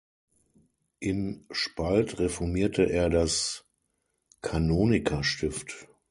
In Spalt reformierte er das Kanonikerstift.